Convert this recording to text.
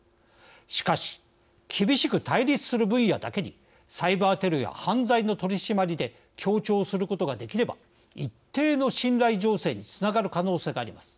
しかし厳しく対立する分野だけにサイバーテロや犯罪の取り締まりで協調することができれば一定の信頼醸成につながる可能性があります。